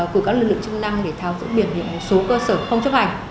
cử các lực lượng chức năng để thao dựng biệt điện một số cơ sở không chấp hành